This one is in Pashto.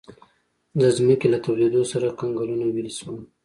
د ځمکې له تودېدو سره کنګلونه ویلې شول.